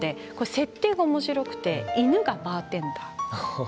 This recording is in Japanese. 設定がおもしろくて犬がバーテンダー。